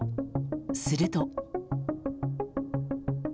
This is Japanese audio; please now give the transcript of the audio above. すると。